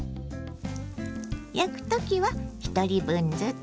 焼く時は１人分ずつ。